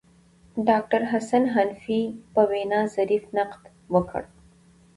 ډاکتر حسن حنفي پر وینا ظریف نقد وکړ.